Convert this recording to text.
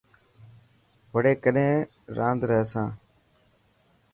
وڙي ڪڏهن راند رحسان.